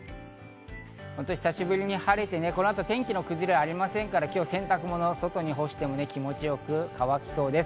久しぶりに晴れて、この後天気の崩れはありませんから、今日は洗濯物を外に干しても気持ちよく乾きそうです。